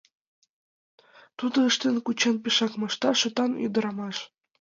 Тудо ыштен-кучен пешак мошта, шотан ӱдырамаш.